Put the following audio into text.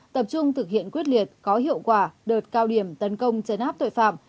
tập trung thực hiện quyết liệt có hiệu quả đợt cao điểm tấn công chấn áp tội phạm